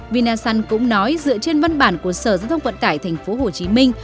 vinasun cũng nói dựa trên văn bản của sở giao thông vận tải tp hcm